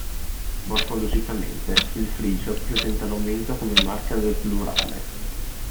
Morfologicamente, il frigio presenta l'aumento come marca del plurale.